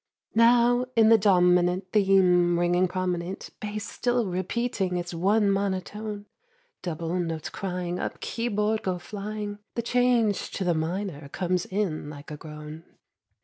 Now in the dominant Theme ringing prominent, Bass still repeating its one monotone, Double notes crying, Up keyboard go flying, The change to the minor comes in like a groan.